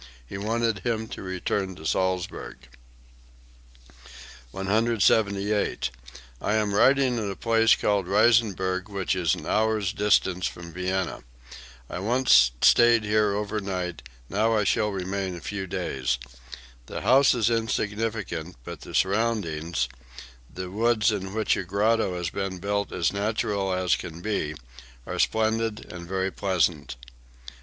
He wanted him to return to Salzburg.) 178. "I am writing at a place called Reisenberg which is an hour's distance from Vienna. I once stayed here over night; now I shall remain a few days. The house is insignificant, but the surroundings, the woods in which a grotto has been built as natural as can be, are splendid and very pleasant."